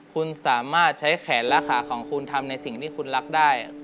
คุณสามารถใช้แขนและขาของคุณทำในสิ่งที่คุณรักได้